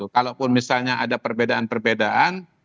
kalaupun misalnya ada perbedaan perbedaan